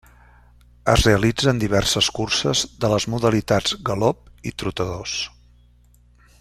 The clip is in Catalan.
Es realitzen diverses curses de les modalitats galop i trotadors.